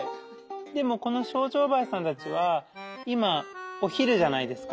でもこのショウジョウバエさんたちは今お昼じゃないですか。